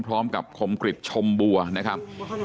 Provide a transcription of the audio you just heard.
พร้อมกับคมกริปชมบัวนะครับ